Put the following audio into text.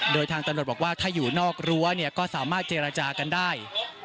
โดยทางตำรวจบอกว่าถ้าอยู่นอกรั้วเนี่ยก็สามารถเจรจากันได้